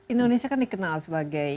indonesia kan dikenal sebagai